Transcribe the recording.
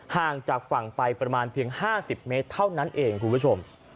ห่างจากฝั่งไปประมาณเพียง๕๐เมตรเท่านั้นเองคุณผู้ชม